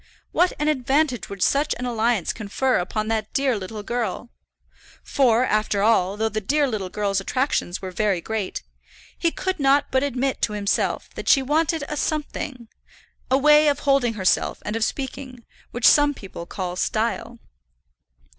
What an advantage would such an alliance confer upon that dear little girl; for, after all, though the dear little girl's attractions were very great, he could not but admit to himself that she wanted a something, a way of holding herself and of speaking, which some people call style.